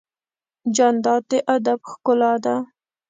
جانداد د ادب ښکلا ده.